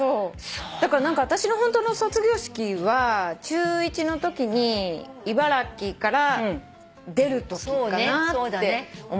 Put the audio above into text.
だから私のホントの卒業式は中１のときに茨城から出るときかなって思った。